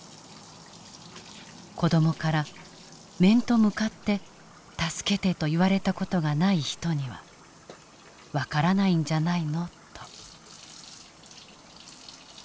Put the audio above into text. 「子どもから面と向かって助けてと言われた事がない人には分からないんじゃないの」と。